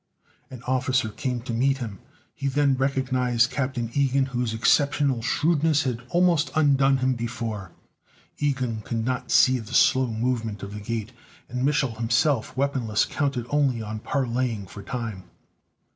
An officer came to meet him. He then recognized Captain Ilgen, whose exceptional shrewdness had almost undone him before. Ilgen could not see the slow movement of the gate, and Mich'l, himself weaponless, counted only on parleying for time.